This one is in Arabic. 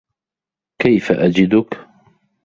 كيف أجدك؟